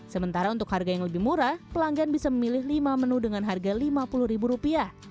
sementara untuk harga yang lebih murah pelanggan bisa memilih lima menu dengan harga rp lima puluh